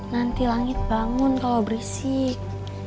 nanti langit bangun kalau berisik